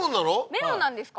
メロンなんですか？